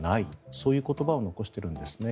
そういう言葉を残してるんですね。